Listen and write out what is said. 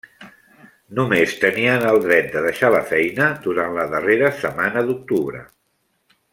Només tenien el dret de deixar la feina durant la darrera setmana d'octubre.